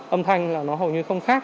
âm thanh là nó hầu như không khác